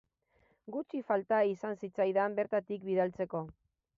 Gutxi falta izan zitzaidan bertatik bidaltzeko.